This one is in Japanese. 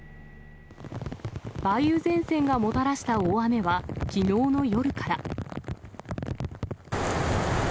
梅雨前線がもたらした大雨は、きのうの夜から。